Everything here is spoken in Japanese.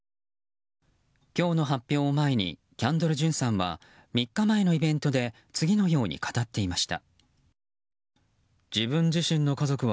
今日の発表を前にキャンドル・ジュンさんは３日前のイベントで次のように語っていました。